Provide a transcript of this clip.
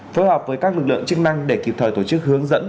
phối hợp với các lực lượng chức năng để kịp thời tổ chức hướng dẫn